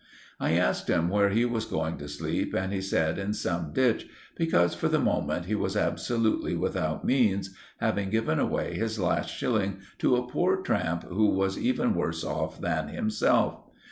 I asked him where he was going to sleep, and he said in some ditch, because, for the moment, he was absolutely without means, having given away his last shilling to a poor tramp who was even worse off than himself.